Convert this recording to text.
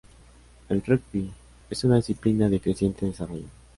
El rugby es una disciplina de creciente desarrollo.